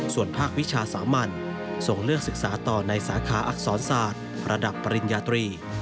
ส่วนภาควิชาสามัญส่งเลือกศึกษาต่อในสาขาอักษรศาสตร์ระดับปริญญาตรี